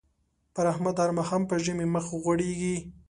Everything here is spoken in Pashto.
پر احمد هر ماښام په ژمي مخ غوړېږي.